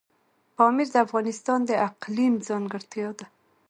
پامیر د افغانستان د اقلیم ځانګړتیا ده.